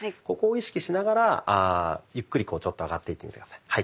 ここを意識しながらゆっくりこうちょっと上がっていってみて下さい。